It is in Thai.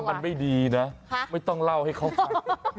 มันไม่ดีนะไม่ต้องเล่าให้เขาฟัง